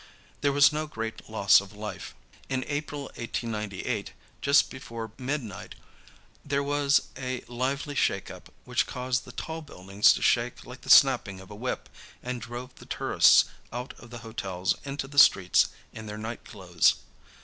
There was no great loss of life. In April, 1898, just before midnight, there was a lively shakeup which caused the tall buildings to shake like the snapping of a whip and drove the tourists out of the hotels into the streets in their nightclothes.